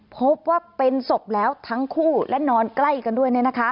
พบว่าเป็นศพแล้วทั้งคู่และนอนใกล้กันด้วย